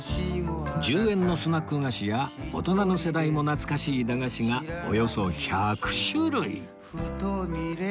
１０円のスナック菓子や大人の世代も懐かしい駄菓子がおよそ１００種類